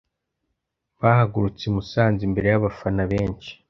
bahagurutse i Musanze imbere y’abafana benshi